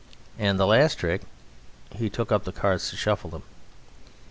And the last trick." He took up the cards to shuffle them.